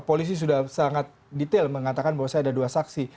polisi sudah sangat detail mengatakan bahwasanya ada dua saksi